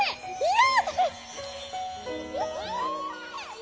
嫌！